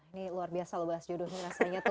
ini luar biasa loh bahas jodoh rasanya tuh